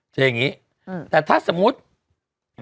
อย่างนี้แต่ถ้าสมมุติ